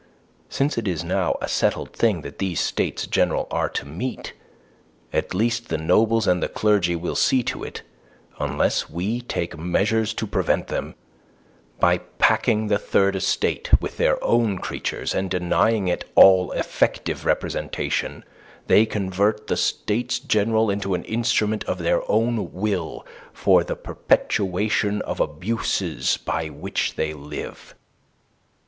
Since it is now a settled thing that these States General are to meet, at least the nobles and the clergy will see to it unless we take measures to prevent them by packing the Third Estate with their own creatures, and denying it all effective representation, that they convert the States General into an instrument of their own will for the perpetuation of the abuses by which they live.